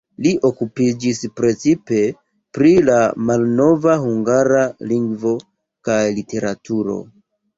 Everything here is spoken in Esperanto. Li okupiĝis precipe pri la malnova hungara lingvo kaj literaturo.